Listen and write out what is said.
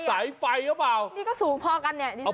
สายไฟหรือเปล่านี่ก็สูงพอกันเนี่ย